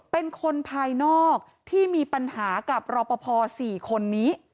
เป็นคนภายนอกที่มีปัญหากับรอปภ๔คนนี้